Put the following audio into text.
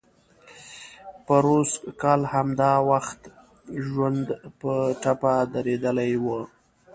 پروسږ کال همدا وخت ژوند په ټپه درولی و.